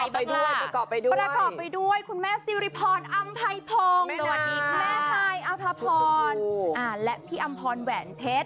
ประกอบไปด้วยคุณแม่ซิริพรอัมไพพรสวัสดีคุณแม่ไพอภพรและพี่อำพรแหวนเพชร